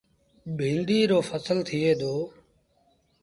بيٚنڊيٚ رو ڦسل ٿئي دو۔